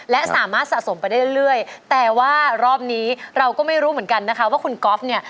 และสามารถสะสมไปได้เรื่อยแต่ว่ารอบนี้เราก็ไม่รู้เหมือนกันนะคะว่าคุณก๊อฟเนี่ย